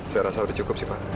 saya rasa lebih cukup sih pak